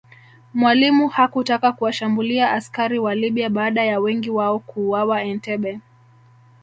Mwalimu hakutaka kuwashambulia askari wa Libya baada ya wengi wao kuuawa Entebbe